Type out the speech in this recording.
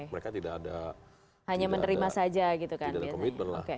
mereka tidak ada komitmen lah